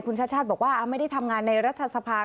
คุณชัชชาติบอกว่าไม่ได้ทำงานในรัฐสภาคุณชัชชาติ